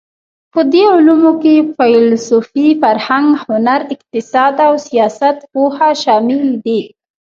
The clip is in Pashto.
په دې علومو کې فېلسوفي، فرهنګ، هنر، اقتصاد او سیاستپوهه شامل دي.